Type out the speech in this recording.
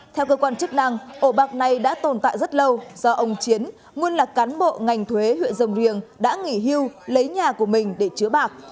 theo cơ quan chức năng ổ bạc này đã tồn tại rất lâu do ông chiến nguyên là cán bộ ngành thuế huyện rồng riềng đã nghỉ hưu lấy nhà của mình để chứa bạc